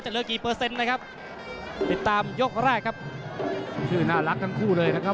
เหลือกี่เปอร์เซ็นต์นะครับติดตามยกแรกครับชื่อน่ารักทั้งคู่เลยนะครับ